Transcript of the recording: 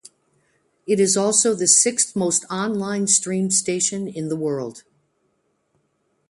It is also the sixth most online streamed station in the world.